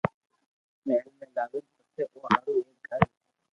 مھل ۾ لاوين پسي او ھارو ايڪ گھر